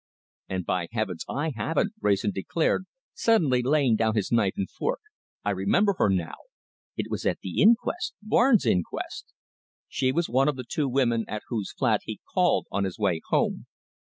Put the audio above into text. "And, by Heavens, I haven't!" Wrayson declared, suddenly laying down his knife and fork. "I remember her now. It was at the inquest Barnes' inquest. She was one of the two women at whose flat he called on his way home.